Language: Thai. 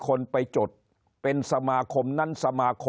คนในวงการสื่อ๓๐องค์กร